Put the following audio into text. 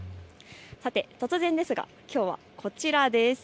突然ですが、きょうはこちらです。